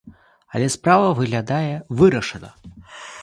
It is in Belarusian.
Але справа, выглядае, вырашана.